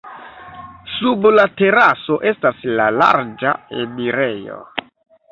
Sub la teraso estas la larĝa enirejo.